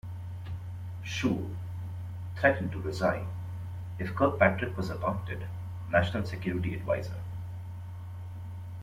Shultz threatened to resign if Kirkpatrick was appointed National Security Adviser.